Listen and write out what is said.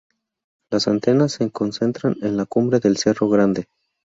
Las antenas se concentran en la cumbre del Cerro Grande.